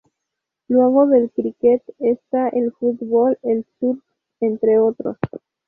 Luego del críquet, está el fútbol, el surf, entre otros.